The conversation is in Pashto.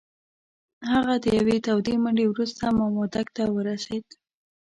هغه د یوې تودې منډې وروسته مامدک ته ورسېد.